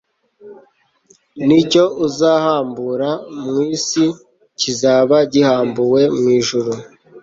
n'icyo uzahambura mu isi kizaba gihambuwe mu ijuru."